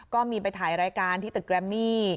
ก็มีไปถ่ายรายการที่ตึกแรมมี่